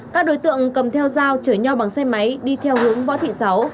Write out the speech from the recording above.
các đối tượng cầm theo dao chở nhau bằng xe máy đi theo hướng võ thị sáu